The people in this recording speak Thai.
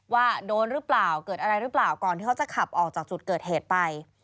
ว่าโดนหรือเปล่าเกิดอะไรหรือเปล่าก่อนที่เขาจะขับออกจากจุดเกิดเหตุไป